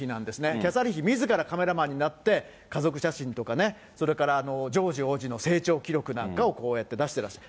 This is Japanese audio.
キャサリン妃みずからカメラマンになって、家族写真とかね、それからジョージ王子の成長記録なんかを、こうやって出してらっしゃる。